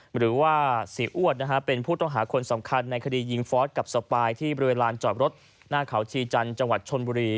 หรือว่าเสียอ้วนเป็นผู้ต้องหาคนสำคัญในคดียิงฟอสกับสปายที่บริเวณลานจอดรถหน้าเขาชีจันทร์จังหวัดชนบุรี